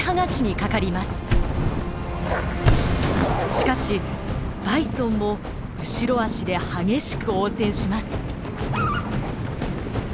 しかしバイソンも後ろ足で激しく応戦します。